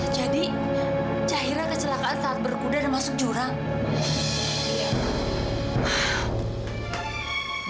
jadi cahira kecelakaan saat berkuda dan masuk jurang